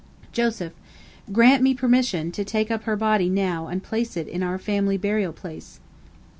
Joseph: "Grant me permission to take up her body now and place it in our family burial place."